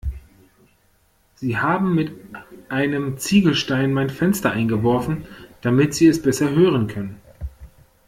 Sie haben mit einem Ziegelstein mein Fenster eingeworfen, damit sie es besser hören können.